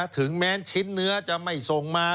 ถึงแม้ชิ้นเนื้อจะไม่ส่งมา